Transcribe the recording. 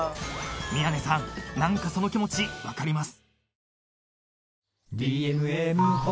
［宮根さん何かその気持ち分かります］